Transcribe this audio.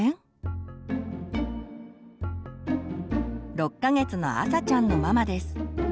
６か月のあさちゃんのママです。